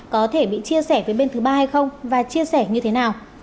có thể bị chia sẻ với bên thứ ba hay không và chia sẻ như thế nào